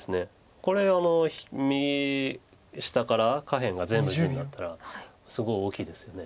これ右下から下辺が全部地になったらすごい大きいですよね。